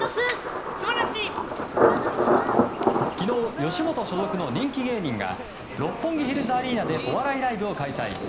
昨日、吉本所属の人気芸人が六本木ヒルズアリーナでお笑いライブを開催。